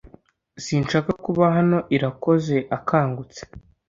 Sinshaka kuba hano Irakoze akangutse